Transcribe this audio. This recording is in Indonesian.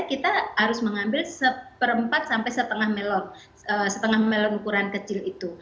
kita harus mengambil seperempat sampai setengah melon setengah melon ukuran kecil itu